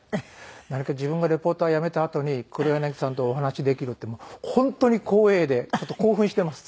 何か自分がリポーターを辞めたあとに黒柳さんとお話しできるってもう本当に光栄でちょっと興奮しています。